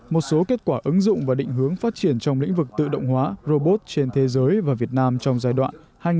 một số kết quả ứng dụng và định hướng phát triển trong lĩnh vực tự động hóa robot trên thế giới và việt nam trong giai đoạn hai nghìn hai mươi hai nghìn hai mươi năm